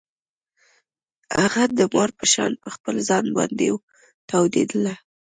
هغه د مار په شان په خپل ځان باندې تاوېدله.